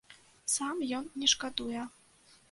Сам ён не шкадуе.